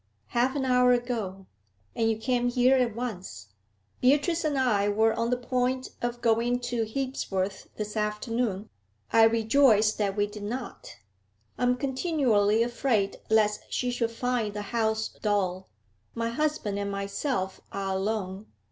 'Half an hour ago.' 'And you came here at once. Beatrice and I were on the point of going to Hebsworth this afternoon; I rejoice that we did not. I'm continually afraid lest she should find the house dull. My husband and myself are alone.